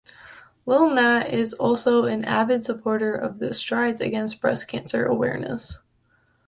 Lil Nat is also an avid supporter of the Strides against Breast Cancer Awareness.